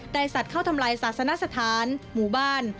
สัตว์เข้าทำลายศาสนสถานหมู่บ้าน